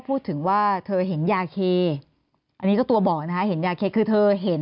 พูดถึงว่าเธอเห็นยาเคอันนี้เจ้าตัวบอกนะคะเห็นยาเคคือเธอเห็น